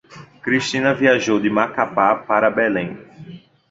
Cristina viajou de Macapá para Belém.